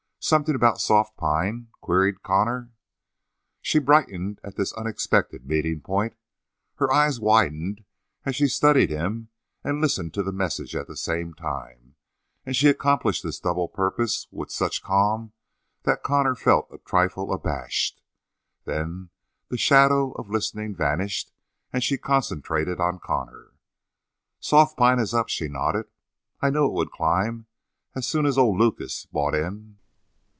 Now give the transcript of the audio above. "Something about soft pine?" queried Connor. She brightened at this unexpected meeting point. Her eyes widened as she studied him and listened to the message at the same time, and she accomplished this double purpose with such calm that Connor felt a trifle abashed. Then the shadow of listening vanished, and she concentrated on Connor. "Soft pine is up," she nodded. "I knew it would climb as soon as old Lucas bought in."